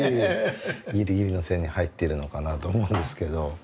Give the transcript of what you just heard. ギリギリの線に入っているのかなと思うんですけど。